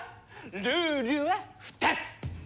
ルールは２つ！